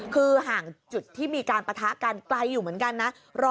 คือห่างจุดที่มีการปะทะกันไกลอยู่เหมือนกันนะ